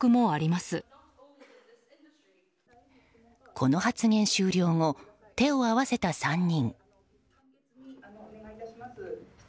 この発言終了後手を合わせた３人。